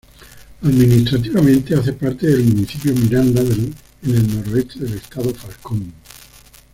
Administrativamente hace parte del Municipio Miranda en el noroeste del Estado Falcón.